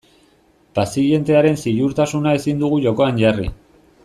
Pazientearen ziurtasuna ezin dugu jokoan jarri.